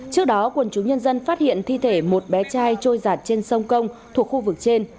trước đó quần chúng nhân dân phát hiện thi thể một bé trai trôi giạt trên sông công thuộc khu vực trên